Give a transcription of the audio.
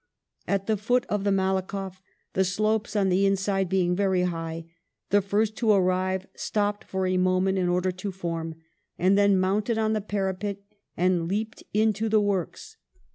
' At the foot of the MalakofF, the slopes on the inside being very high, the first to arrive stopped for a moment in order to form, and then mounted on the parapet and leaped into the works.